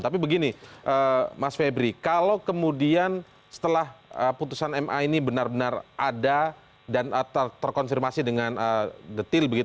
tapi begini mas febri kalau kemudian setelah putusan ma ini benar benar ada dan terkonfirmasi dengan detail